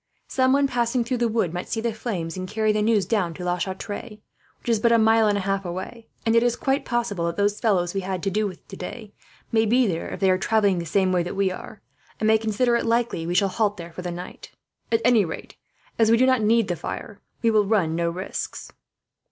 Someone passing through the wood might see the flames, and carry the news down to La Chatre, which is but a mile and a half away; and it is quite possible that those fellows we had to do with today may be there, if they are travelling the same way that we are, and may consider it likely we shall halt there for the night. At any rate, as we do not need the fire, we will run no risks."